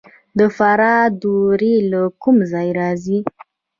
د فراه دوړې له کوم ځای راځي؟